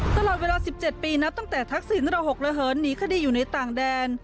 ตลอดเวลา๑๗ปีนับตั้งแต่ทักษิณระหกระเหินหนีคดีอยู่ในต่างแดน